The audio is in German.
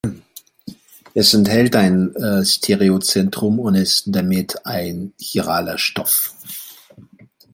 Es enthält ein Stereozentrum und ist damit ein chiraler Stoff.